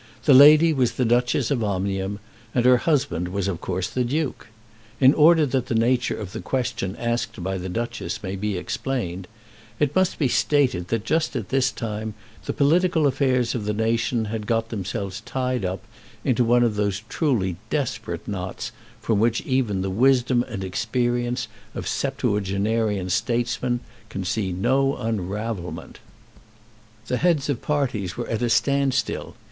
The lady was the Duchess of Omnium, and her husband was of course the Duke. In order that the nature of the question asked by the duchess may be explained, it must be stated that just at this time the political affairs of the nation had got themselves tied up into one of those truly desperate knots from which even the wisdom and experience of septuagenarian statesmen can see no unravelment. The heads of parties were at a standstill.